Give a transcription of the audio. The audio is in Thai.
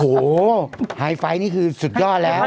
โอ้โหไฮไฟนี่คือสุดยอดแล้ว